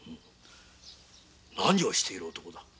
何をしている男だ？